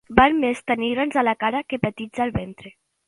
Val més tenir grans a la cara que petits al ventre.